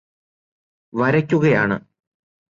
വരയ്ക്കുകയാണ്